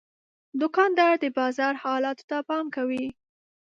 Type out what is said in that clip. دوکاندار د بازار حالاتو ته پام کوي.